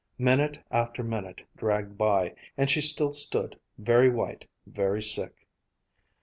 Minute after minute dragged by, and she still stood, very white, very sick.